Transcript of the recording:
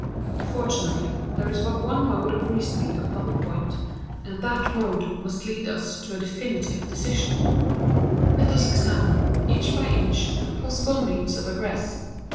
Fortunately, there is but one mode of reasoning upon the point, and that mode must lead us to a definite decision. Let us examine, each by each, the possible means of egress.